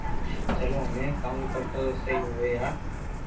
چلو ھمي ڪاوو ڪرو تو سھي ھوئي يار